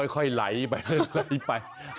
ค่อยไหลไป